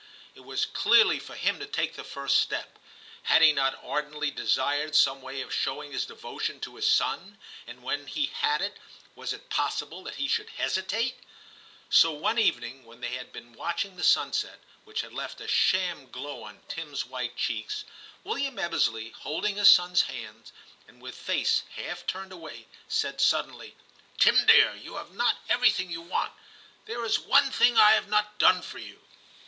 It was clearly for him to take the first step ; had he not ardently desired some way of showing his devotion to his son, and when he had it, was it possible that he should hesitate ? So one evening when they had been watching the sunset, which had left a sham glow on Tim's white cheeks, William Ebbesley, holding his son's hand, and with face half turned away, said suddenly, 'Tim, dear, you have not everything you want; there is one thing I have not done for you.'